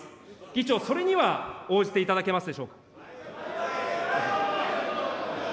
議長、それには応じていただけますでしょうか。